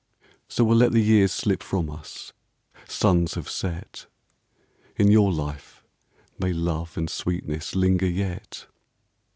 So we '11 let the years slip from us, — Suns have set. In your life may love and sweetness Linger yet.